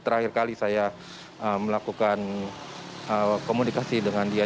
terakhir kali saya melakukan komunikasi dengan dia